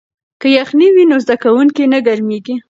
که یخنۍ وي نو زده کوونکی نه ګرمیږي.